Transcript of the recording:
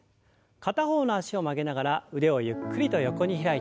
片方の脚を曲げながら腕をゆっくりと横に開いて。